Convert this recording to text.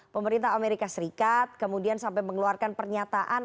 pemerintah amerika serikat kemudian sampai mengeluarkan pernyataan